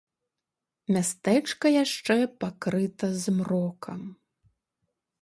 Мястэчка яшчэ пакрыта змрокам.